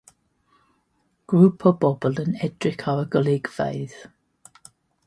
Grŵp o bobl yn edrych ar y golygfeydd.